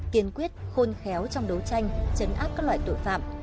kiên quyết khôn khéo trong đấu tranh chấn áp các loại tội phạm